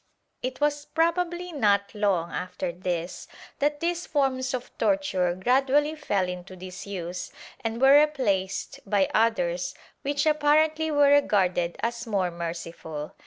^ It was probably not long after this that these forms of torture gradually fell into disuse and were replaced by others which apparently were regarded as more merciful.